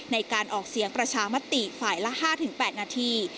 ในการออกเสียงประชามติฝ่ายละ๕๘นาที